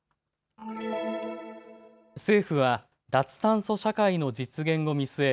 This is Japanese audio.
政府は脱炭素社会の実現を見据え